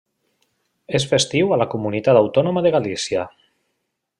És festiu a la Comunitat Autònoma de Galícia.